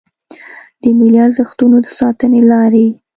د ملي ارزښتونو د ساتنې لارې